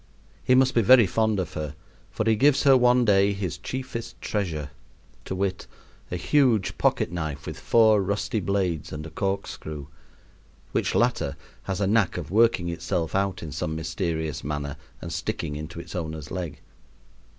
He must be very fond of her, for he gives her one day his chiefest treasure, to wit, a huge pocket knife with four rusty blades and a corkscrew, which latter has a knack of working itself out in some mysterious manner and sticking into its owner's leg.